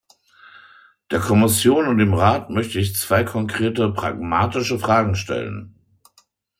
Der Kommission und dem Rat möchte ich zwei konkrete pragmatische Fragen stellen.